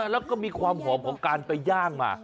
แล้วก็มีความหอมของการไปย่างมา